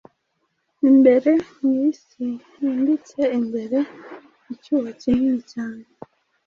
Imbere, mwisi yimbitse imbere: Icyuho kinini cyane,